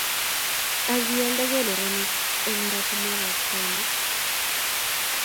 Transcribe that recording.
ak kialdagei neranik eng ortinwekab taunit